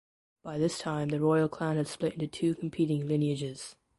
By this time the royal clan had split into two competing lineages.